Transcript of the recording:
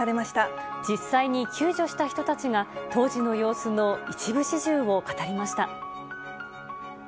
実際に救助した人たちが、当時の様子の一部始終を語りました。